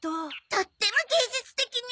とっても芸術的ね！